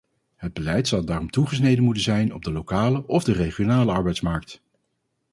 Het beleid zal daarom toegesneden moeten zijn op de lokale of de regionale arbeidsmarkt.